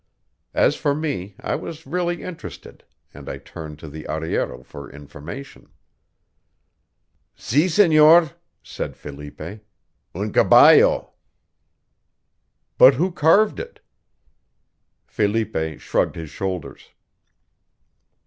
As for me, I was really interested, and I turned to the arriero for information. "Si, senor," said Felipe, "Un caballo." "But who carved it?" Felipe shrugged his shoulders.